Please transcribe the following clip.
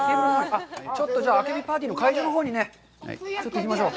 ちょっとじゃあ、あけびパーティーの会場のほうに行きましょう。